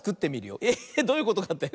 えどういうことかって？